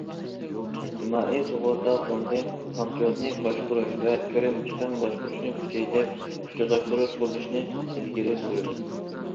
ئىجتىمائىي سۇغۇرتا فوندى خامچوتىنى باشقۇرۇش ۋە كىرىم- چىقىم باشقۇرۇشنى كۈچەيتىپ، ئۇچۇرلاشتۇرۇش قۇرۇلۇشىنى ئىلگىرى سۈرىمىز.